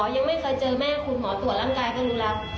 ยังไม่เคยเจอแม่คุณหมอตรวจร่างกายก็รู้แล้ว